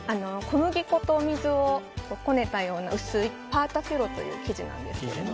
小麦粉とお水をこねたような薄いフィロという生地なんですけど。